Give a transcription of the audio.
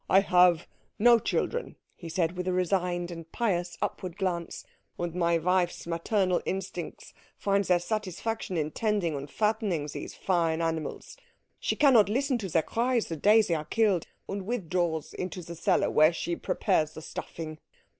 "I have no children," he said, with a resigned and pious upward glance, "and my wife's maternal instincts find their satisfaction in tending and fattening these fine animals. She cannot listen to their cries the day they are killed, and withdraws into the cellar, where she prepares the stuffing.